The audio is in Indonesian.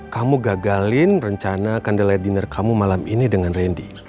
kamu gagalin rencana condelai dinner kamu malam ini dengan randy